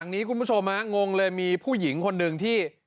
นี้คุณผู้ชมฮะงงเลยมีผู้หญิงคนหนึ่งที่